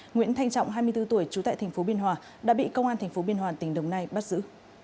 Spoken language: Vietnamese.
nguyễn thanh trọng hai mươi bốn tuổi trú tại tp biên hòa đã bị công an tp biên hòa tỉnh đồng nai bắt giữ